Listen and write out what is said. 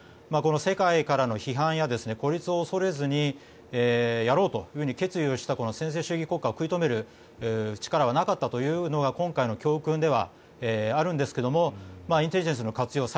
この世界からの批判や孤立を恐れずにやろうと決意をした専制主義国家を食い止める力はなかったというのが今回の教訓なんですがインテリジェンスの活用